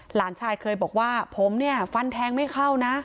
หลานชายเคยบอกว่าผมเนี่ยฟันแทงไม่เข้านะ